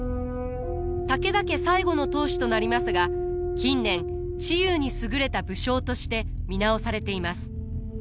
武田家最後の当主となりますが近年知勇に優れた武将として見直されています。